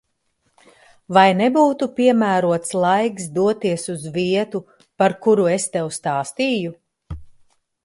Vai nebūtu piemērots laiks doties uz vietu, par kuru tev stāstīju?